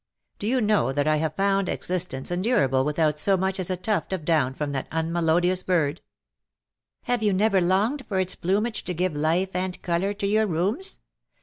Do you know that I have found existence endurable without so much as a tuft of down from that unmelodious bird T^ " Have you never longed for its plumage to give life and colour to your rooms?